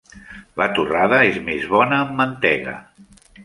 La torrada és més bona amb mantega.